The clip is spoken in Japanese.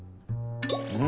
うん？